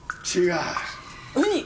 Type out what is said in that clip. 違う。